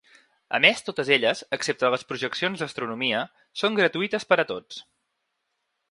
A més, totes elles, excepte les projeccions d’astronomia, són gratuïtes per a tots.